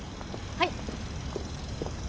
はい。